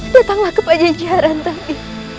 datanglah ke pajajaran tadi